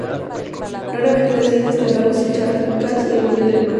Raramente desciende hasta lagos y charcas del nivel del mar.